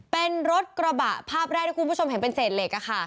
เป็นรถกระบะภาพแรกที่คุณผู้ชมเห็นเป็นเศษเหล็ก